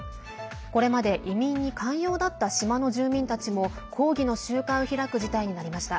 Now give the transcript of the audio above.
これまで移民に寛容だった島の住民たちも抗議の集会を開く事態になりました。